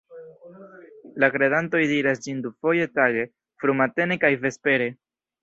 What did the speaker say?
La kredantoj diras ĝin dufoje tage, frumatene kaj vespere.